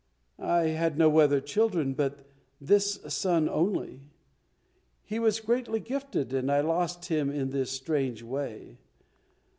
I had no other children but this son only. He was greatly gifted and I lost him in this strange way.